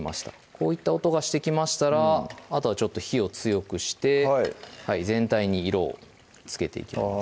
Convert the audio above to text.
こういった音がしてきましたらあとはちょっと火を強くして全体に色をつけていきます